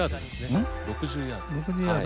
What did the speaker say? んん６０ヤード。